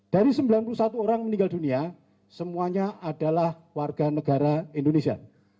dari sembilan puluh satu orang meninggal dunia semuanya adalah warga negara indonesia